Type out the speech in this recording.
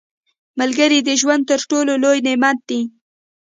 • ملګری د ژوند تر ټولو لوی نعمت دی.